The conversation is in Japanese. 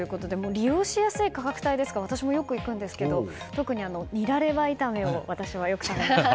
利用しやすい価格帯ですから私もよく行くんですが特にニラレバ炒めを私はよくいただく。